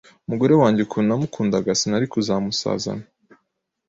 Umugore wanjye ukuntu namukundaga sinari kuzamusazana